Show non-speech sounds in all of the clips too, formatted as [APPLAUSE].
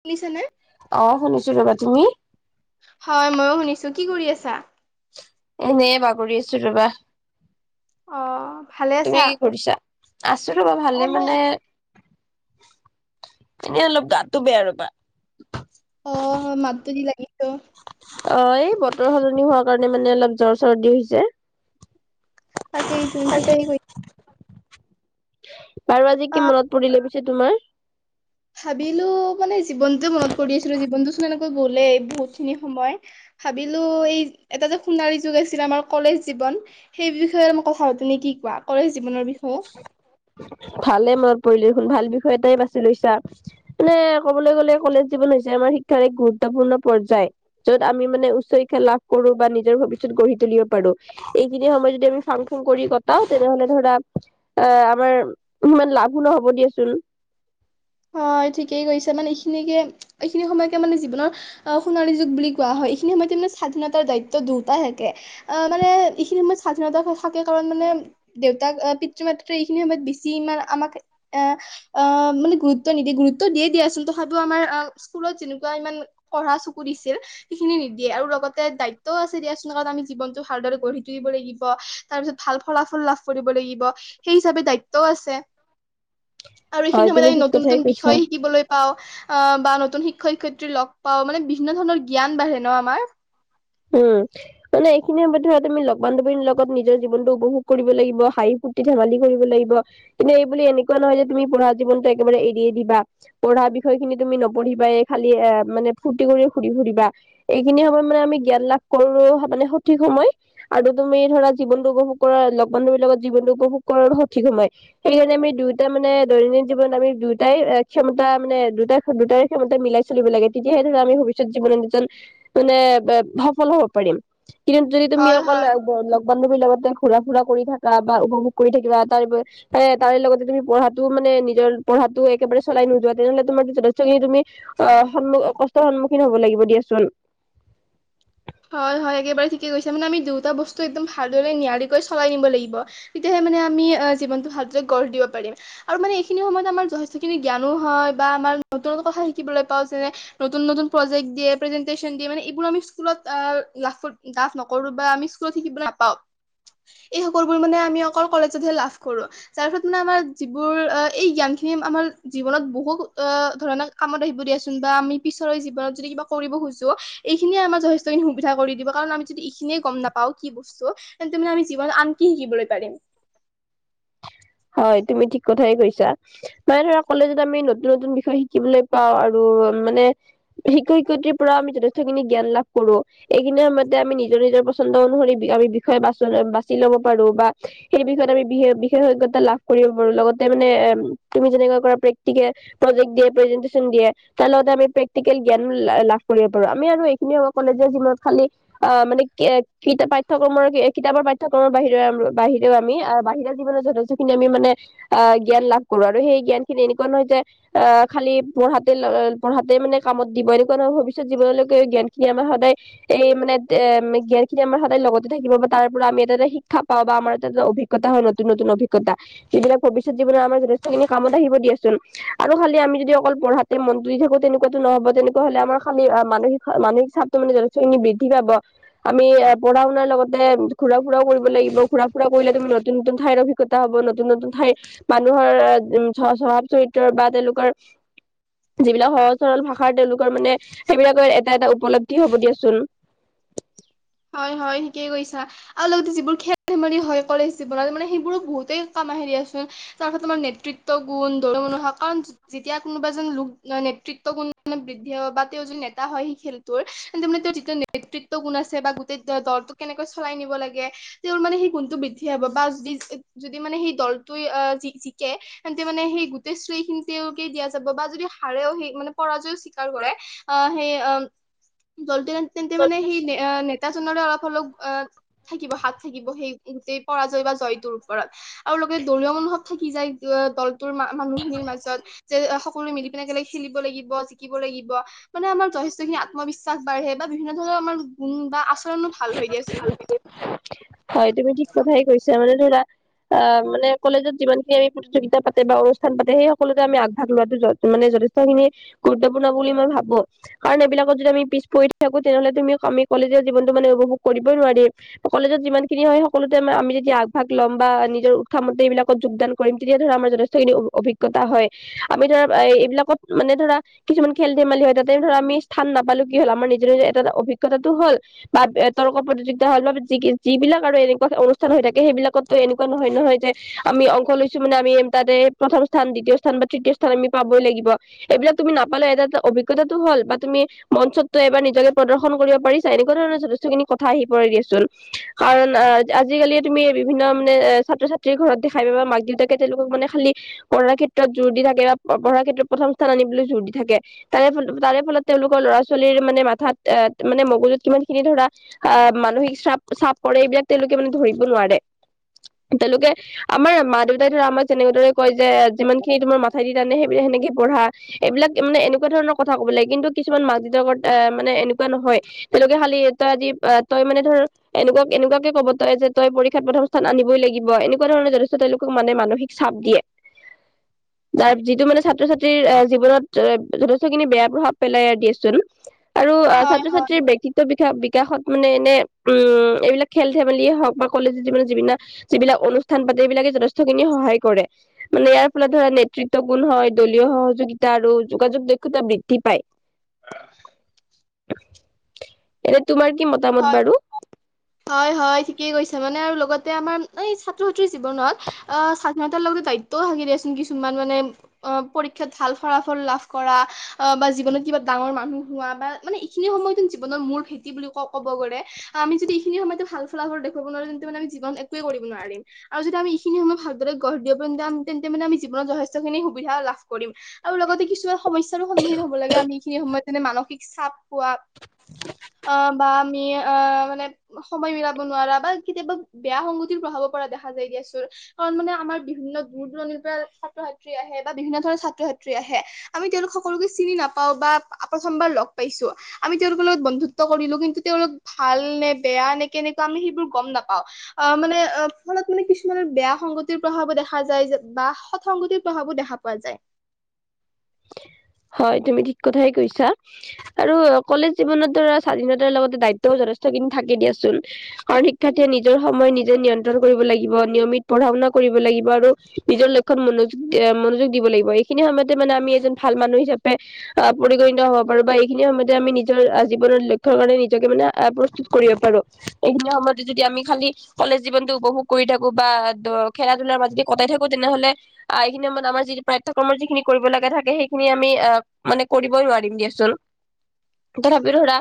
শুনিছে নে অ শুনিছো ৰ'বা তুমি হয় ময়ো শুনিছো কি কৰি আছা এনে বাগৰি আছো ৰবা অ ভালে আছা? তুমি কি কৰিছা আছো ৰবা অ ভালে মই মানে এ অলপ গাতো বেয়া ৰবা অ মাতটো দি লাগিছো অ এই বতৰ সলনি হোৱা কাৰণে মানে অলপ জ্বৰ চৰ্দি হৈছে তাকেই তুন ঠিকেই কৈ বাৰু আজি অ কি মনত পৰিলে পিছে তোমাৰ ভাবিলো মানে জীৱনটোৱে মনত কৰি আছিলো জীৱনটোচোন এনেকৈ গ'লেই বহুতখিনি সময় ভাবিলো এই এটা যে সোণালী যুগ আছিল আমাৰ কলেজ জীৱন সেই বিষয়ে মোক কথা পাতো নে কি কোৱা কলেজ জীৱনৰ বিষয়েও ভালে মনত পৰিলে দেখোন ভাল বিষয় এটাই বাছি লৈছা মানে ক'বলৈ গ'লে কলেজ জীৱন হৈছে আমাৰ শিক্ষাৰ এক গুৰুত্বপূৰ্ণ পৰ্যায় য'ত আমি মানে উচ্চ শিক্ষা লাভ কৰো বা নিজৰ ভৱিষ্যত গঢ়ি তুলিব পাৰো এইখিনি সময় যদি আমি ফাং ফুং কৰি কটাও তেনেহ'লে ধৰা অ আমাৰ ইমান লাভো নহ'ব দিয়াচোন হয় ঠিকেই কৈছে মানে এইখিনিকে এইখিনি সময়কে মানে জীৱনৰ অহ সোণালী যুগ বুলি কোৱা হয় এইখিনি সময়তে ন স্বাধীনতাৰ দায়িত্ব দুটা থাকে অহ মানে এইখিনি সময়ত স্বাধীনতা থাকে কাৰণ মানে দেউতাক এ পিতৃ মাতৃ এইখিনি সময়ত বেছি ইমান আমাক এ মানে গুৰু ত্ব নিদি গুৰুত্ব দিয়ে দিয়াচোন তথাপিও আমাৰ স্কুলত যেনেকুৱা ইমান কঢ়া চকু দিছিল সেইখিনি নিদিয়ে আৰু লগতে দায়িত্বও আছে দিয়াচোন কাৰণ আমি জীৱনটো ভালদৰে গঢ়ি তুলিব লাগিব তাৰপিছত ভাল ফলাফল লাভ কৰিব লাগিব সেই হিচাপে দায়িত্বও আছে আৰু হয় এইখিনি সময়তে তুমি ঠিক ন কথাই কৈছা শিকিবলৈ পাওঁ অ বা নতুন শিক্ষয়ক শিক্ষয়িত্ৰীৰ লগ পাওঁ মানে বিভিন্ন ধৰণৰ জ্ঞান বাঢ়ে ন আমাৰ উম মানে এইখিনি সময়ত ধৰা তুমি লগ বান্ধৱীৰ লগত নিজৰ জীৱনটো উপভোগ কৰিব লাগিব হাঁহ ফুৰ্তি ধেমালি কৰিব লাগিব কিন্তু এই বুলি এনেকোৱা নহয় যে তুমি পঢ়া জীৱনতো একেবাৰে এৰিয়ে দিবা পঢ়া বিষয় খিনি তুমি নপঢ়িবায়ে খালি এ মানে ফূৰ্তি কৰি ঘূৰি ফুৰিবা এইখিনি সময়ত মানে আমি জ্ঞান লাভ কৰো মানে সঠিক সময় আৰু তুমি ধৰা জীৱনটো উপভোগ কৰা লগ বান্ধৱীৰ লগত জীৱনটো উপভোগ কৰাৰ সঠিক সময় সেইকাৰণে আমি দুয়োটা মানে দৈনন্দিন জীৱন আমি দুয়োটাই ক্ষমতা মানে দুটাই দুটাৰে ক্ষমতা মিলাই চলিব লাগে তেতিয়াহে ধৰা আমি ভৱিষ্যত জীৱনত দুজন মানে সফল হব পাৰিম কিন্তু যদি তুমি হয় অকল হয় ব লগ- বান্ধৱীৰ লগতে ঘুৰা ফুৰা কৰি থাকা বা উপভোগ কৰি থাকিবা তাৰ উপৰি এ তাৰে লগতে তুমি পঢ়াতো মানে নিজৰ পঢ়াটো একেবাৰে চলাই নোযোৱা তেনেহলে তোমাৰ যথেষ্টখিনি তুমি অ সন্মু কষ্টৰ সন্মুখীন হব লাগিব দিয়াচোন। হয় হয় একেবাৰে ঠিকে কৈছে মানে আমি দুয়োটা বস্তু একদম ভালদৰে নিয়াৰিকৈ চলাই নিব লাগিব। এতিয়াহে মানে আমি জীৱনটো ভালদৰে গঢ় দিব পাৰিম। আৰু মানে এইখিনি সময়ত আমাৰ যথেষ্টখিনি জ্ঞানো হয় বা আমাৰ নতুন নতুন কথা শিকিবলৈ পাওঁ। যেনে নতুন নতুন প্ৰজেক্ট দিয়ে প্ৰেজেণ্টেছন দিয়ে মানে এইবোৰ আমি স্কুলত অ লাভ ফুত লাভ নকৰো বা আমি স্কুলত শিকিবলৈ নাপাওঁ। এই সকলোবোৰ মানে আমি অকল কলেজতহে লাভ কৰোঁ। যাৰ ফলত মানে আমাৰ যিবোৰ এই জ্ঞান খিনি আমাৰ জীৱনত বহু আহ ধৰণক কামত আহিব দিয়াচোন বা আমি পিছৰে জীৱনত যদি কিবা কৰিব খোজো এইখিনিয়ে আমাৰ যথে- য খিনি সুবিধা কৰি দিব কাৰণ আমি যদি এইখিনিয়ে গম নাপাওঁ কি বস্তু তেন্তে মানে আমি জীৱন আনকি শিকিবলৈ পাৰিম। হয় তুমি ঠিক কথাই কৈছা। মানে ধৰা কলেজত আমি নতুন নতুন বিষয় শিকিবলৈ পাও আৰু মানে শিক্ষক শিক্ষয়িত্ৰীৰ পৰা আমি যথেষ্টখিনি জ্ঞান লাভ কৰো এইখিনি সময়তে আমি নিজৰ নিজৰ পন্দ অনুসৰি আমি বিষয় বা বাছি ল'ব পাৰো বা সেই বিষয়ত আমি বিশেষ বিশেষজ্ঞ তা লাভ কৰিব পাৰো লগতে মানে এ তুমি যেনে কৰা প্ৰেক্টিকেল, প্ৰজেক্ট দিয়ে প্ৰেজেণ্টেছন দিয়ে। তাৰ লগতে আমি প্ৰেক্টিকেল জ্ঞান লাভ কৰিব পাৰো আমি আৰু এইখিনিয়ে কলেজৰ জীৱনত খালি অ মানে কিতাপ পাঠ্যক্ৰমৰ কিতাপৰ পাঠ্যক্ৰমৰ বাহিৰেও বাহিৰেও আমি বাহিৰত জীৱনৰ যথেষ্টখিনি আমি মানে আহ জ্ঞান লাভ কৰো আৰু সেই জ্ঞান খিনি এনেকুৱা নহয় যে আহ খালি পঢ়াতে পঢ়াতে মানে কামত দিব এনেকুৱা নহয় ভৱিষ্যত জীৱনলৈকে জ্ঞান খিনি আমাৰ সদায় এই মানে এম জ্ঞান খিনি আমাৰ সদায়তে লগতে থাকিব বা তাৰ পৰা আমি এটা এটা শিক্ষা পাওঁ বা আমাৰ এটা এটা অভিজ্ঞ- কতা নতুন নতুন অভিজ্ঞতা সেইবিলাক ভৱিষ্যত জীৱনৰ আমাৰ যথেষ্ঠখিনি কামত আহিব দিয়াচোন। আৰু খালি আমি যদি অকল পঢ়াতে মনটো দি থাকো তেনেকুৱাতো নহব তেনেকুৱা হলে আমাৰ খালি মানসিক মানসিক চাপ ত মানে জনি চৈনি বৃদ্ধি পাব আমি এ পঢ়া শুনাৰ লগতে ঘুৰা ফুৰাও কৰিব লাগিব ঘুৰা ফুৰা কৰিলে তুমি নতুন নতুন ঠাইৰ অভি- জ্ঞতা হব নতুন নতুন ঠাইৰ মানুহৰ আহ উ স্বভাৱ চৰিত্ৰ বা তেওঁলোকৰ যিবিলাক সহজ সৰল ভাষাৰ তেওঁলোকৰ মানে সেইবিলাকৰ এটা এটা উপলব্ধি হব দিয়াচোন। হয় হয় ঠিকেই কৈছা। আৰু লগতে যিবোৰ খেল ধেমালি হয় কলেজ জীৱনত মানে সেইবোৰো বহুতেই কাম আহে দিয়াচোন। তাৰ ক্ষেত্ৰত তোমাৰ নেতৃত্ব গুণ দৰিমণহা কানছ যেতিয়া কোনোবা এজন লোক নেতৃত্ব গুণ বৃদ্ধি হয় বা তেওঁ এজন নেতা হয় সেই খেল তোৰ তাৰ মানে তেওঁ যিটো নেতৃত্ব গুণ আছে বা গোটেই দ দলটো কেনেকৈ চলাই নিব লাগে। তেওঁৰ মানে সেই গুণটো বৃদ্ধি হব বা যিয যদি মানে সেই দলটোৱে আহ জিকে তেন্তে মানে সেই গোটেই শ্ৰখিনি তেওঁলোকে দিয়া যাব বা যদি হাৰেও সেই মানে পৰাজয়ও স্বীকাৰ কৰে। অ সেই অম দলটো তেন্তে মানে সেই অ নেতা নেতা জনৰ অলপ অলপ অ থাকিব হাত থাকিব সেই গোটেই পৰাজয় বা জয়টোৰ ওপৰত। আৰু লগতে দলিয় মনোভৱ থাকি যায় দলটোৰ মানুহখিনিৰ মাজত। যে সকলো মিলি পিনে একেলগে খেলিব লাগিব, যিক জিকিব লাগিব মানে আমাৰ যথেষ্ট খিনি আত্মবিশ্বাস বাঢ়ে বা বিভিন্ন ধৰণৰ আমাৰ গুণ বা আছ- ধৰণো ভাল হয় দিয়াচোন। হয় তুমি ঠিক কথাই কৈছা মানে ধৰা অ মানে কলেজত যিমানখিন আমি প্ৰতিযোগিতা পাতে বা অনুষ্ঠান পাতে সেই সকলোতে আমি আগভাগ লোৱাতো মানে যথে- টখিনি গুৰুত্বপূৰ্ণ বুলি মই ভাবো। কাৰণ এইবিলাকত যদি আমি পিছ পৰি থাকো তেনেহলে তুমি আমি কলেজ যে জীনটো মানে উপভোগ কৰিবই নোৱাৰিম। কলেজত যিমান খিনি হয় সকলোতে আমি যদি আগভাগ ল'ম বা নিজৰ উৎসামতে এইবিলাকত যোগদান কৰিম তেতিয়া ধৰা আমাৰ যথেষ্ঠ [UNINTELLIGIBLE] অভিজ্ঞতা হয় আমি ধৰা এইবিলাকত মানে ধৰা কিছুমান খেল ধেমালি হয়, তাতে ধৰা আমি স্থান নাপালো কি হ'ল? আমাৰ নিজৰে এটা অভিজ্ঞতাটো হ'ল। বাপ ইয়ত তৰ্ক প্ৰতিযোগিতা হয় বা বৃদ্ধি যিবিলাক আৰু এনেকুৱা অনুষ্ঠান হৈ থাকে সেইবিলাকতো এনেকুৱা নহয় নহয় যে আমি অংশ লৈছো মানে আমি তাতে প্ৰথম স্থান, দ্বিতীয় স্থান বা তৃতীয় স্থান আমি পাবই লাগিব। এইবিলাক তুমি নাপালে এটা এটা অভিজ্ঞতাটো হ'ল বা তুমি মঞ্চতটো এবাৰ নিজকে প্ৰদৰ্শন কৰিব পাৰি ছা এনেকুৱা ধৰণৰ যথেষ্ট খিনি কথা আহি পৰে দিয়াচোন। কাৰণ অ আজি-কালি তুমি বিভিন্ন মানে ছাত্ৰ-ছাত্ৰীৰ ঘৰত দেখাই পাবা মাক-দেউতাকে তেওঁলোকক মানে খালি পঢ়াৰ ক্ষেত্ৰত জোৰ দি থাকে বা পঢ়াৰ ক্ষেত্ৰত প্ৰথম স্থান আনিবলৈ জোৰ দি থাকে। তাৰে ফ তাৰে ফলত তেওঁলোকৰ ল'ৰা ছোৱালীৰ মানে মাথাত আহ মানে মগজুত কিমান খিনি ধৰা আ মানসিক চ্ৰাপ চাপ পৰে এইবিলাক তেওঁলোকে মানে ধৰিব নোৱাৰে। তেওঁলোকে আমাৰ মা-দেউতাই ধৰা আমাক যেনেদৰে কয় যে যিমান খিনি তোমাৰ মাথাই দি তানে সেইবিলাক সেনেকেই পঢ়া। এইবিলাক মানে এনেকুৱা ধৰণৰ কথা ক'ব লাগে। কিন্তু কিছুমান মাক-দেউতাকৰ এ মানে এনেকুৱা নহয়। তেওঁলোকে খালি [UNINTELLIGIBLE] তই মানে ধৰ এনেকুৱা এনেকুৱাকে ক'ব তই যে তই পৰীক্ষাত প্ৰথম স্থান আনিবই লাগিব। এনেকুৱা ধৰণৰ যথেষ্ট তেওঁলোকক মানে মানসিক চাপ দিয়ে। [INAUDIBLE] যাৰ যিটো মানে ছাত্ৰ-ছাত্ৰীৰ জীৱনত যথেষ্টখিনি বেয়া প্ৰভাৱ পেলাই আৰু দিয়াচোন। আৰু আহ হয় হয় ছাত্ৰ-ছাত্ৰীৰ ব্যক্তিত্ব বিকাখ বিকাশ বিকাশত মানে এনে উম এইবিলাক খেল-ধেমালিয়ে হওক বা কলেজত [UNINTELLIGIBLE] যিবিলাক যিবিলাক অনুষ্ঠান পাতে এইবিলাকে যথেষ্টখিনিয়ে সহায় কৰে। মানে ইয়াৰ ফলত ধৰা নেতৃত্ব গুণ হয়। দলীয় সহযোগিতা আৰু যোগাযোগ দক্ষতা বৃদ্ধি পায়। এনে তোমাৰ কি মতামত হয় বাৰু? হয়, হয় ঠিকেই কৈছা মানে আৰু লগতে আমাৰ এই ছাত্ৰ-ছাত্ৰীৰ জীৱনত আ স্বাধীনতাৰ লগতে দায়িত্বও থাকে দিয়াচোন কিছুমান মানে। অ পৰীক্ষাত ভাল ফলাফল লাভ কৰা অ বা জীৱনত কিবা ডাঙৰ মানুহ হোৱা বা মানে এইখিনি সময়ত জীৱনৰ মূল ভেটি বুলি ক ক'ব গলে আমি যদি এইখিনি সময়তে ভাল ফলাফল দেখুৱাব নোৱাৰো তেন্তে মানে আমি জীৱন একোৱে কৰিব নোৱাৰিম। আৰু যদি আমি এইখিনি সময়ত ভালদৰে গঢ় দিব পাৰিম তেন্তে মানে আমি জীৱনত যথেষ্টখিনি সুবিধা লাভ কৰিম। আৰু লগতে কিছু সমস্যাৰো সন্মুখীন হ'ব লাগে আমি এইখিনি সময়ত যেনে মানসিক চাপ পোৱা। অ বা আমি আ মানে সময় মিলাব নোৱাৰা বা কেতিয়াবা বেয়া সংগতিৰ প্ৰভাৱো পৰা দেখা যায় দিয়াচোন। কাৰণ মানে আমাৰ বিভিন্ন দূৰ দূৰণিৰ পৰা ছাত্ৰ-ছাত্ৰী আহে বা বিভিন্ন ধৰণৰ ছাত্ৰ-ছাত্ৰী আহে। আমি তেওঁলোক সকলোকে চিনি নাপাও বা প্ৰথমবাৰ লগ পাইছো আমি তেওঁলোকৰ লগত বন্ধুত্ব কৰিলো। কিন তেওঁলোক ভাল নে বেয়া নে কেনেকুৱা আমি সেইবোৰ গ'ম নাপাওঁ। অ মানে অ ফলত মানে কিছুমানৰ বেয়া সংগতিৰ প্ৰভাৱো দেখা যায় যে বা সৎ সংগতিৰ প্ৰভাৱো দেখা পোৱা যায়। হয় তুমি ঠিক কথাই কৈছা। আৰু কলেজ জীৱনত ধৰা স্বাধীনতাৰ লগতে দায়িত্বও যথেষ্টখিনি থাকে দিয়াচোন। কাৰণ শিক্ষাৰ্থীয়ে নিজৰ সময় নিজে নিয়ন [UNINTELLIGIBLE] কৰিব লাগিব, নিয়মিত পঢ়া-শুনা কৰিব লাগিব আৰু নিজৰ লক্ষ্যত মনোযোগ মনোযোগ দিব লাগিব। এইখিনি সময়তে মানে আমি এজন ভাল মানুহ হিচাপে আ পৰিগণিত হ'ব পাৰো বা এইখিনি সময়তে আমি নিজৰ জীৱনৰ লক্ষ্যৰ কাৰণে নিজকে মানে প্ৰস্তুত কৰিব পাৰো। এইখিনি সময়তে যদি আমি খালি কলেজ জীৱনটো উপভোগ কৰি থাকো বা ত খেলা-ধূলাৰ মাজতে যদি কটাই থাকো তেনেহলে আ এইখিনি সময়ত আমাৰ যি পাঠ্যক্ৰমৰ যিখিনি কৰিব লগা থাকে সেই খিনি আমি অ মানে কৰিবই নোৱাৰিম দিয়াচোন। তথাপিও ধৰা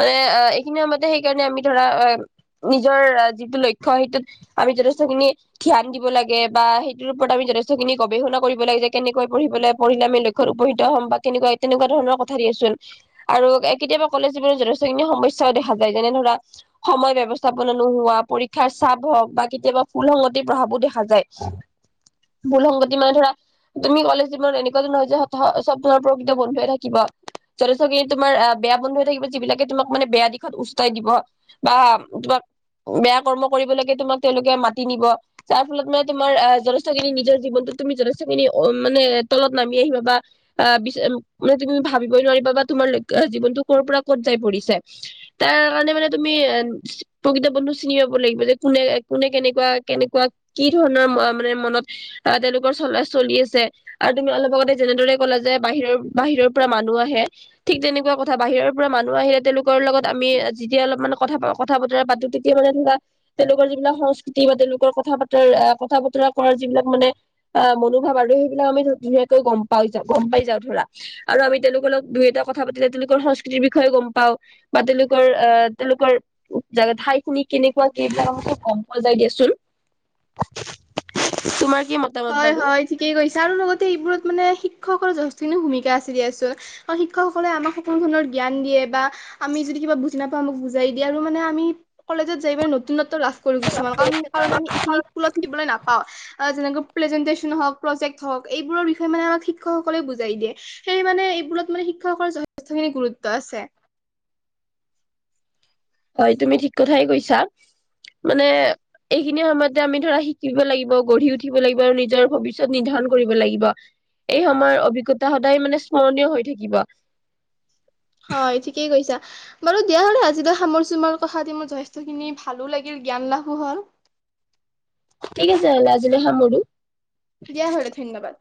আ অ এইখিনি সময়তে সেইকাৰণে আমি ধৰা নিজৰ যিটো লক্ষ্য সেইটোত আমি যথেষ্টখিনি ধ্যান দিব লাগে বা সেইটোৰ ওপৰত আমি যথেষ্টখিনি গৱেষণা কৰিব লাগে যে কেনেকৈ পঢ়ি পেলে পঢ়িলে আমি। লক্ষ্যত উপনিত হ'ম বা কেনেকুৱাই তেনেকুৱা ধৰণৰ কথা দিয়াচোন। আৰু কেতিয়াবা কলেজ যিবোৰ যথেষ্টখিনি সমস্যাও দেখা যায় যেনে ধৰা। সময় ব্যৱস্থাপনা নোহোৱা, পৰীক্ষাৰ চাপ হওক বা কেতিয়াবা ভুল সংগতিৰ প্ৰভাৱো দেখা যায়। ভুল সংগতি মানে ধৰা তুমি কলেজ জীৱনত এনেকুৱা এজন নহয় যে [UNINTELLIGIBLE] চব ধৰ প্ৰকৃত বন্ধুৱে থাকিব। যথেষ্টখিনি তোমাৰ বেয়া বন্ধু হৈ থাকিব যিবিলাকে তোমাক মানে বেয়া দিশত উচ্চতাই দিব বা তোমাক বেয়া কৰ্ম কৰিবলৈকে তোমাক তেওঁলোকে মাতি নিব যাৰ ফলত মানে তোমাৰ যথেষ্ট খিনি নিজৰ জীৱনটো তুমি যথেষ্টখিনি মানে তলত নামি আহিবা বা আহ মানে তুমি ভাবিবই নোৱাৰিবা বা তোমাৰ জীৱনতটো কৰ পৰা ক'ত যাই পৰিছে তাৰ কাৰণে মানে তুমি প্ৰকৃত বন্ধু চিনি পাব লাগিব যে কোনে কোনে কেনেকুৱা কেনেকুৱা কি ধৰণৰ মানে মনত আহ তেওঁলোকৰ চল চলি আছে আৰু তুমি অলপ আগতে যেনেদৰে। কলা যে বাহিৰৰ বাহিৰৰ পৰা মানুহ আহে ঠিক তেনেকুৱা কথা বাহিৰৰ পৰা মানুহ আহিলে তেওঁলোক। লোকৰ লগত আমি যেতিয়া অলপ মানে কথা কথা বতৰা পাতো তেতিয়া মানে ধৰা। তেওঁলোকৰ যিবিলাক সংস্কৃতি বা তেওঁলোকৰ কথা বতাৰ কথা, বতৰা কৰাৰ যিবিলাক মানে। আহ মনোভাৱ আৰু সেইবিলাক আমি ধ ধুনীয়াকৈ গম পাই যা গম পাই যাও ধৰা। আৰু আমি তেওঁলোকৰ লগ দুই এটা কথা পাতিলে তেওঁলোকৰ সংস্কৃতিৰ বিষয়ে গম পাওঁ। বা তেওঁলোকৰ আ তেওঁলোকৰ। জাগা ঠাই খিনি কেনেকুৱা এইবিলাক কথা গম পোৱা যায় দিয়াচোন। তোমাৰ। কি মতামত হয় বাৰু হয় ঠিকেই কৰিছা আৰু লগতে এইবোৰত মানে শিক্ষকৰ যথেষ্টখিনি ভূমিকা আছে দিয়াচোন। শিক্ষকসকলে আমাক সকলো ধৰণৰ জ্ঞান দিয়ে বা। আমি যদি কিবা বুজি নাপাওঁ আমাক বুজাই দিয়া আৰু মানে আমি কলেজত যাই পিনে নতুন নতুন। লাভ কৰো কিছুমানক আমি কাৰণ আমি এইখিনি স্কুল শিকিবলে নাপাওঁ যেনেকৈ। প্ৰেজেণ্টেছন হওক প্ৰজেক্ট হওক এইবোৰৰ বিষয় মানে আমাক শিক্ষয়ক সকলে বুজাই দিয়ে। সেই মানে এইবোৰত মানে শিক্ষয়কৰ যথেষ্টখিনি গুৰুত্ব আছে। হয় তুমি ঠিক কথাই কৈছা মানে। এইখিনি সময়তে আমি ধৰা শিকিব লাগিব, গঢ়ি উঠিব লাগিব আৰু নিজৰ ভৱিষ্যত নিৰ্ধাৰণ কৰিব লাগিব। এই সময় অভিজ্ঞতা সদায় মানে স্মৰণীয় হৈ থাকিব। হয় ঠিকেই কৈছা। বাৰু দিয়া হ'লে আজিলৈ সামৰিছোঁ তোমাৰ লগত কথা পাতি মোৰ যথেষ্টখিনি ভালো লাগিল জ্ঞান লাভো হ'ল। ঠিক আছে হ'লে আজিলে সামৰো। দিয়া হ'লে ধন্যবাদ।